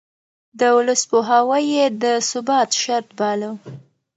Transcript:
د ولس پوهاوی يې د ثبات شرط باله.